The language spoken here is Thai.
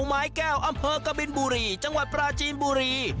ไม้แก้วอำเภอกบินบุรีจังหวัดปราจีนบุรี